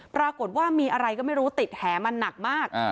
ปรากฏว่ามีอะไรก็ไม่รู้ติดแหมันหนักมาก